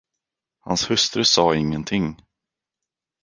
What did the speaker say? Hans hustru sade ingenting.